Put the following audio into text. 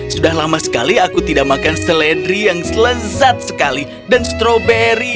sudah lama sekali aku tidak makan seledri yang lezat sekali dan stroberi